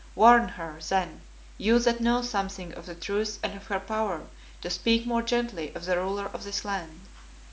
Warn her, then, you that know something of the truth and of her power to speak more gently of the ruler of this land.